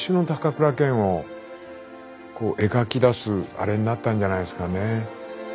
あれになったんじゃないすかね。